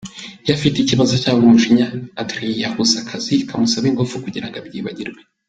Iyo afite ikibazo cyangwa umujinya, Adrien yiyahuza akazi kamusaba ingufu kugira ngo abyibagirwe.